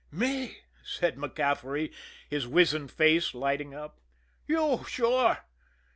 "Me!" said MacCaffery, his wizened face lighting up. "You sure!"